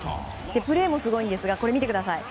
プレーもすごいんですがこれ見てください。